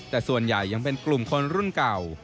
แต่ส่วนใหญ่ยังเป็นกลุ่มคนรุ่นเก่า